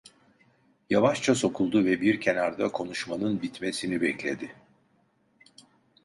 Yavaşça sokuldu ve bir kenarda konuşmanın bitmesini bekledi.